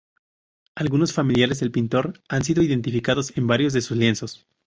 Algunos familiares del pintor han sido identificados en varios de sus lienzos.